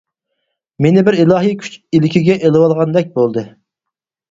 مېنى بىر ئىلاھىي كۈچ ئىلكىگە ئېلىۋالغاندەك بولدى.